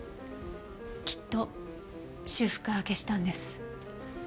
きっと修復家が消したんです。